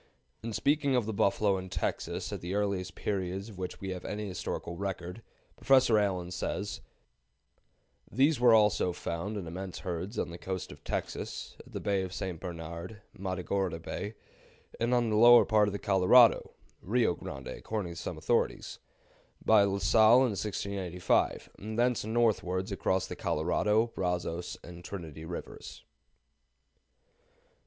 In speaking of the buffalo in Texas at the earliest periods of which we have any historical record, Professor Allen says: "They were also found in immense herds on the coast of Texas, at the Bay of St. Bernard (Matagorda Bay), and on the lower part of the Colorado (Rio Grande, according to some authorities), by La Salle, in 1685, and thence northwards across the Colorado, Brazos, and Trinity Rivers."